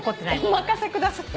「お任せください」って。